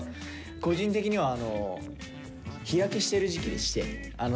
個人的には日焼けしてる時期でして撮ったのは。